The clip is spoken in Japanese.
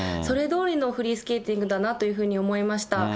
それどおりのフリースケーティングだなというふうに思いました。